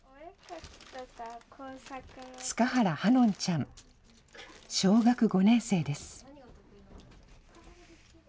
塚原葉音ちゃん、小学５年生です。